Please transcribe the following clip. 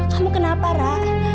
kamu kenapa ra